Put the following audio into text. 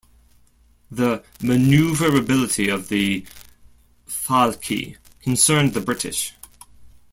The manoeuvrability of the "Falchi" concerned the British.